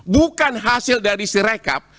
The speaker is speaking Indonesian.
bukan hasil dari sirekap